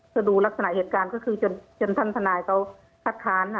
ก็ดูลักษณะเหตุการณ์ก็คือจนท่านทนายเขาคัดค้าน